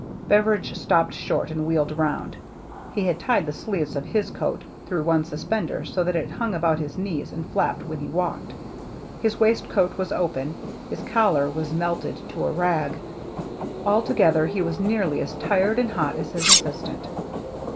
Beveridge stopped short and wheeled around. He had tied the sleeves of his coat through one suspender so that it hung about his knees and flapped when he walked. His waistcoat was open, his collar was melted to a rag ; altogether he was nearly as tired and hot as his assistant.